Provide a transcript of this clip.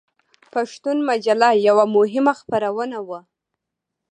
پښتون مجله یوه مهمه خپرونه وه.